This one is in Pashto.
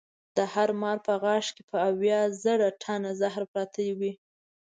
د هر مار په غاښ کې به اویا زره ټنه زهر پراته وي.